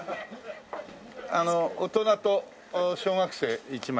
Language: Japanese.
あの大人と小学生１枚。